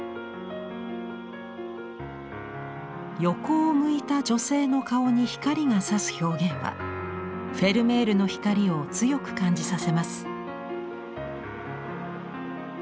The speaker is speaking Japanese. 横を向いた女性の顔に光がさす表現はフェルメールの光を強く感じさせます。